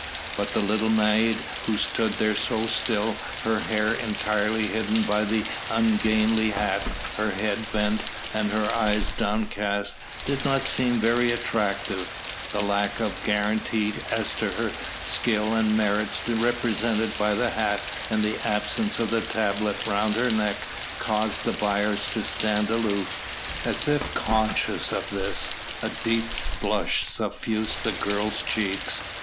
But the little maid who stood there so still, her hair entirely hidden by the ungainly hat, her head bent and her eyes downcast, did not seem very attractive; the lack of guarantee as to her skill and merits represented by the hat and the absence of the tablet round her neck caused the buyers to stand aloof. As if conscious of this, a deep blush suffused the girl's cheeks.